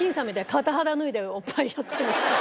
片肌脱いでおっぱいやってみたいな。